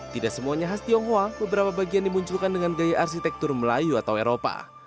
tidak semuanya khas tionghoa beberapa bagian dimunculkan dengan gaya arsitektur melayu atau eropa